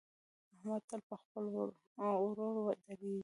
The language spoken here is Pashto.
احمد تل پر خپل ورور درېږي.